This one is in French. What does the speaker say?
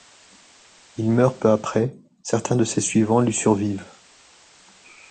Il meurt peu après, certains de ses suivants lui survivent.